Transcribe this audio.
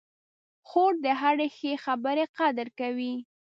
خور د هرې ښې خبرې قدر کوي.